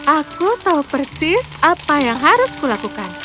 aku tahu persis apa yang harus kulakukan